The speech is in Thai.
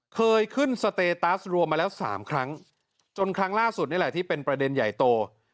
เคยขึ้นสเตตัสรวมมาแล้ว๓ครั้งจนครั้งล่าสุดนี่แหละที่เป็นประเด็นใหญ่โต